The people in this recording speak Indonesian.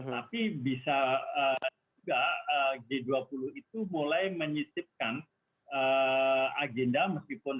tapi bisa juga g dua puluh itu mulai menyisipkan agenda meskipun